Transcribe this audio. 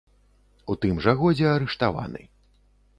У тым жа годзе арыштаваны.